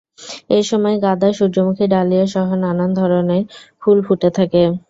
এসময় গাদা, সূর্যমুখী, ডালিয়াসহ নানান ধরণের ফুল ফুটে থাকে।